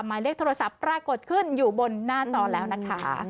หมายเลขโทรศัพท์ปรากฏขึ้นอยู่บนหน้าจอแล้วนะคะ